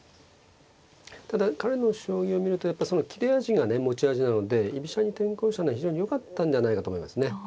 ただ彼の将棋を見るとやっぱ切れ味がね持ち味なので居飛車に転向したのは非常によかったんじゃないかと思いますね。